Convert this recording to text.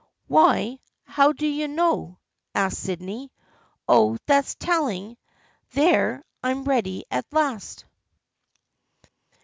" Why, how do you know? " asked Sydney. " Oh, that's telling ! There, I'm ready at last."